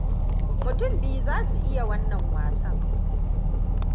Mutum biyu za su iya wannan wasan.